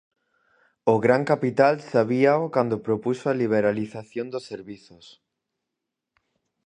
O gran capital sabíao cando propuxo a liberalización dos servizos.